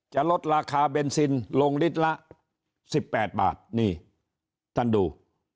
จะลดราคาเบนซินลงลิตรละ๑๘บาทนี่ท่านดู